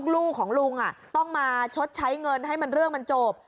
ลูกของลุงต้องมาชดใช้เงินให้มันเรื่องมันจบ